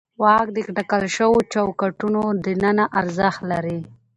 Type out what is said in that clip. واک د ټاکل شوو چوکاټونو دننه ارزښت لري.